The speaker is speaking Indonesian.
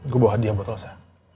gue bawa hadiah buat lo sa